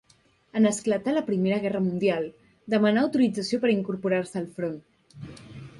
En esclatar la Primera Guerra mundial, demanà autorització per a incorporar-se al front.